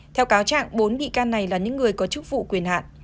theo cáo trạng bốn bị can này là những người có chức vụ quyền hạn